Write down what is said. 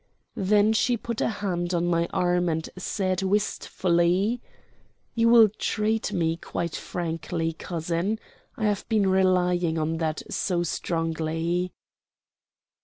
Then she put a hand on my arm and said wistfully: "You will treat me quite frankly, cousin? I have been relying on that so strongly."